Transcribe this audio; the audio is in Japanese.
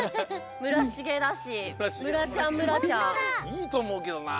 いいとおもうけどな。